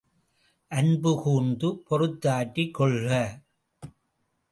அன்பு கூர்ந்து பொறுத்தாற்றிக் கொள்க.